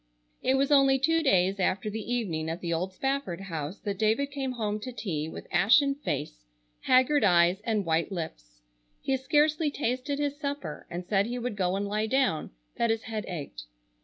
It was only two days after the evening at the old Spafford house that David came home to tea with ashen face, haggard eyes and white lips. He scarcely tasted his supper and said he would go and lie down, that his head ached.